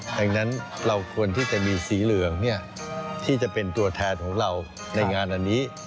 ดังนั้นเราควรที่จะมีสีเหลืองที่จะเป็นตัวแทนของเราในงานอันนี้